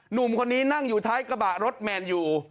หนุ่มคนนี้นั่งอยู่ท้ายกระบะรถแมนยู